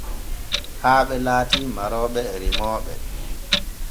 Haaɓe laati marooɓe he remmoɓe.